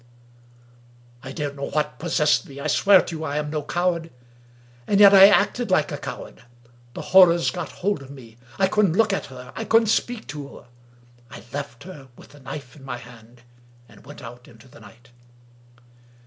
I don't know what possessed me — I swear to you I am no coward; and yet I acted like a coward. The horrors got hold of me. I couldn't look at her — I couldn't speak to her. I left her (with the knife in my hand), and went out into the night.